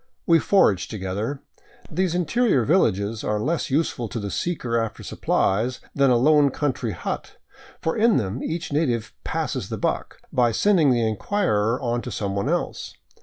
We foraged together. These interior villages are less useful to the seeker after supplies than a lone country hut, for in them each native " passes the buck " by sending the inquirer on to someone else.